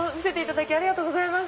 うれしいありがとうございます。